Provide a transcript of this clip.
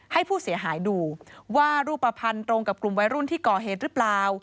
ให้ผู้เสียหายดูว่ารูปภัณฑ์ตรงกับกลุ่มวัยรุ่นที่ก่อเหตุหรือเปล่า